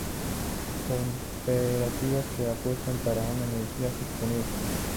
cooperativas que apuestan por una energía sostenible